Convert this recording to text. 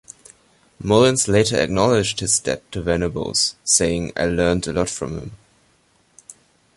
Mullins later acknowledged his debt to Venables, saying, I learnt a lot from him.